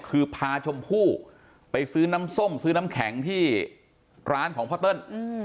คือพาชมพู่ไปซื้อน้ำส้มซื้อน้ำแข็งที่ร้านของพ่อเติ้ล